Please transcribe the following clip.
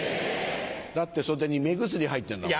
だって袖に目薬入ってんだもん。